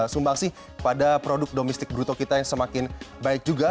sumbang sih pada produk domestik bruto kita yang semakin baik juga